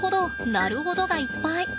なるほどがいっぱい！